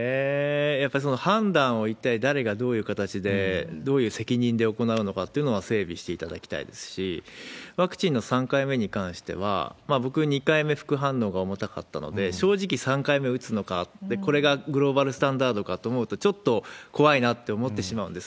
やっぱりその判断を一体誰がどういう形でどういう責任で行うのかっていうのは整備していただきたいですし、ワクチンの３回目に関しては、僕、２回目副反応が重たかったので、正直、３回目打つのか、これがグローバルスタンダードかと思うと、ちょっと怖いなって思ってしまうんです。